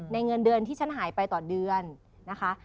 เงินเดือนที่ฉันหายไปต่อเดือนนะคะ